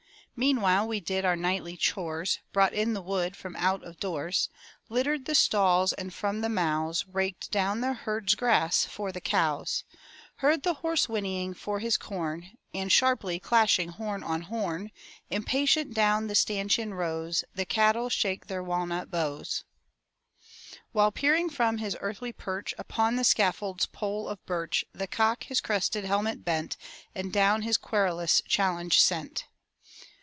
Meanwhile we did our nightly chores, — Brought in the wood from out of doors. Littered the stalls, and from the mows Raked down the herd's grass for the cows: Heard the horse whinnying for his corn; And, sharply clashing horn on horn, Impatient down the stanchion rows The cattle shake their walnut bows; While, peering from his early perch Upon the scaffold's pole of birch. The cock his crested helmet bent And down his querulous challenge sent.